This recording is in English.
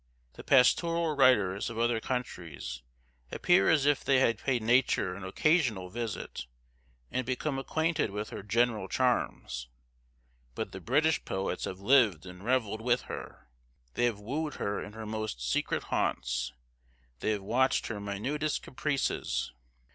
The pastoral writers of other countries appear as if they had paid Nature an occasional visit, and become acquainted with her general charms; but the British poets have lived and revelled with her they have wooed her in her most secret haunts they have watched her minutest caprices.